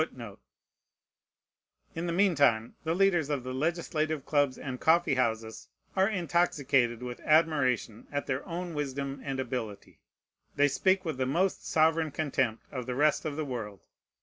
In the mean time the leaders of the legislative clubs and coffee houses are intoxicated with admiration at their own wisdom and ability. They speak with the most sovereign contempt of the rest of the world.